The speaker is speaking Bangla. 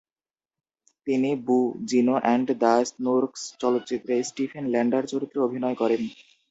তিনি "Boo, Zino and the Snurks" চলচ্চিত্রে স্টিফেন ল্যান্ডার চরিত্রে অভিনয় করেন।